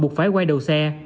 buộc phải quay đầu xe